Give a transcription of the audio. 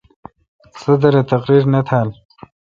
صدر اے° تقریر نہ تھال۔